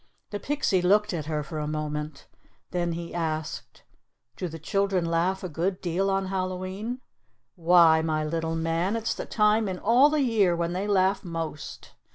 The pixie looked at her for a moment. Then he asked, "Do the children laugh a good deal on Hallowe'en?" "Why, my little man, it's the time in all the year when they laugh most.